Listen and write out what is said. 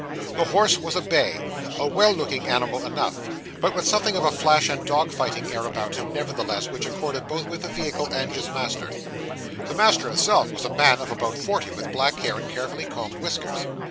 The horse was a bay, a well looking animal enough; but with something of a flash and dog fighting air about him, nevertheless, which accorded both with the vehicle and his master. The master himself was a man of about forty, with black hair, and carefully combed whiskers.